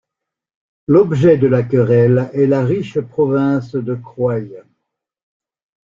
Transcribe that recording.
L'objet de la querelle est la riche province de Croye.